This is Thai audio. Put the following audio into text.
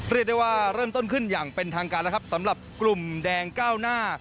เรียกได้ว่าเริ่มต้นขึ้นอย่างเป็นทางการแล้วครับสำหรับกลุ่มแดงก้าวหน้า